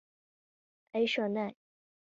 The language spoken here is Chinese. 埃舍奈。